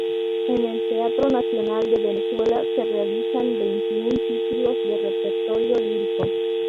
En el Teatro Nacional de Venezuela se realizan veintiún títulos de repertorio lírico.